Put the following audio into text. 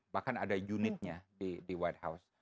bahkan ada unitnya di white house